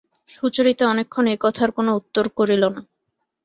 সুচরিতা অনেকক্ষণ এ কথার কোনো উত্তর করিল না।